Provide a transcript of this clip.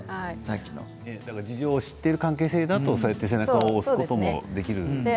事情を知っている関係性だと背中を押すこともできますね。